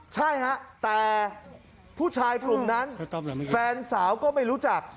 ใช่ฮะแต่ผู้ชายกลุ่มนั้นแฟนสาวก็ไม่รู้จัก